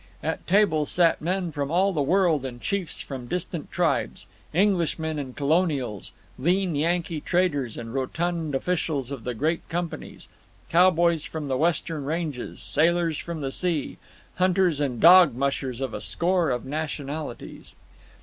At table sat men from all the world and chiefs from distant tribes—Englishmen and Colonials, lean Yankee traders and rotund officials of the great companies, cowboys from the Western ranges, sailors from the sea, hunters and dog mushers of a score of nationalities.